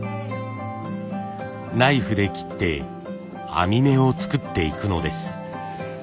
ナイフで切って編み目を作っていくのです。